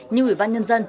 như ủy ban nhân dân